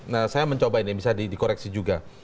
nah saya mencobain ya bisa dikoreksi juga